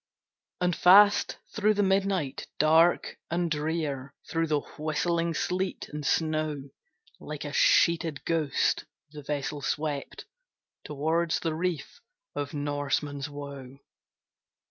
And fast through the midnight dark and drear, Through the whistling sleet and snow, Like a sheeted ghost, the vessel swept Towards the reef of Norman's Woe.